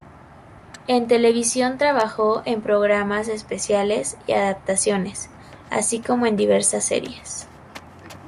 En televisión, trabajó en programas especiales y adaptaciones, así como en diversas series.